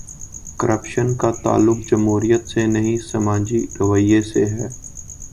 Corruption کا تعلق جمہوریت سے نہیں، سماجی رویے سے ہے۔